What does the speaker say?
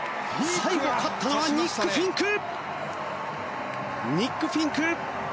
最後、勝ったのはニック・フィンク！